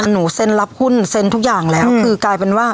เซ็นรับหุ้นเซ็นทุกอย่างแล้วคือกลายเป็นว่า